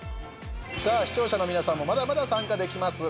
さあ視聴者の皆さんもまだまだ参加できます。